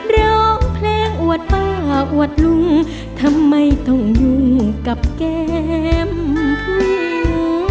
ร้องเพลงอวดป้าอวดลุงทำไมต้องยุ่งกับแก้มภูมิ